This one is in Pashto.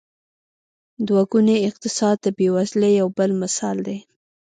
دوه ګونی اقتصاد د بېوزلۍ یو بل مثال دی.